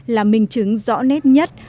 là minh chứng rõ nét nhất